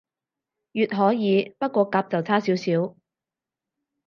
乙可以，不過甲就差少少